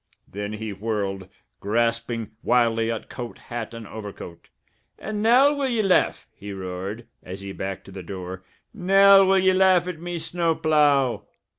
Then he whirled, grasping wildly at coat, hat, and overcoat. "And now will ye laugh?" he roared, as he backed to the door. "Now will ye laugh at me snow plough?"